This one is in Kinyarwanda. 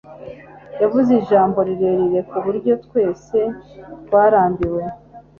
Yavuze ijambo rirerire kuburyo twese twarambiwe